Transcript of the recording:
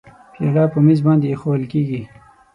پیاله په میز باندې اېښوول کېږي.